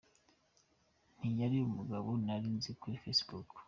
Ntiyari umugabo nari nzi kuri Facebook.